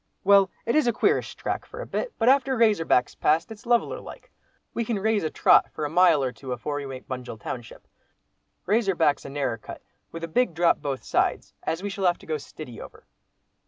"Well, it is a queerish track for a bit, but after Razor Back's passed, it's leveller like. We can raise a trot for a mile or two afore we make Bunjil township. Razor Back's a narrer cut with a big drop both sides, as we shall have to go stiddy over."